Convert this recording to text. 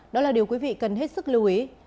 đó là điều quý vị cần hết sức lưu ý